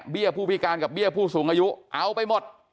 ผู้พิการกับเบี้ยผู้สูงอายุเอาไปหมด